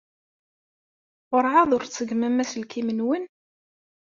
Werɛad ur d-tṣeggmem aselklim-nwen?